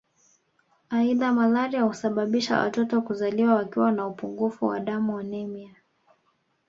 Aidha malaria husababisha watoto kuzaliwa wakiwa na upungufu wa damu anemia